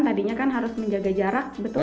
tadinya kan harus menjaga jarak